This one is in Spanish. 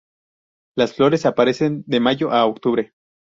Las flores aparecen de mayo a octubre.